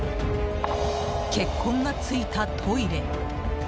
血痕が付いたトイレ。